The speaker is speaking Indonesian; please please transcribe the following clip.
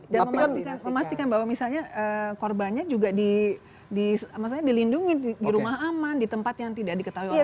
dan memastikan bahwa misalnya korbannya juga di lindungi di rumah aman di tempat yang tidak diketahui orang lain